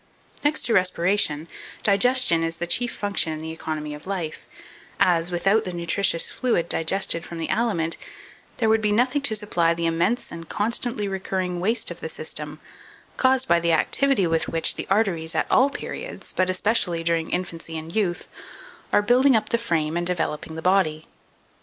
Next to respiration, digestion is the chief function in the economy of life, as, without the nutritious fluid digested from the aliment, there would be nothing to supply the immense and constantly recurring waste of the system, caused by the activity with which the arteries at all periods, but especially during infancy and youth, are building up the frame and developing the body.